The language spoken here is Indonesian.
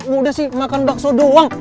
udah sih makan bakso doang